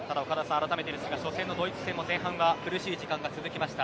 あらためて初戦のドイツ戦も前半は苦しい時間が続きました。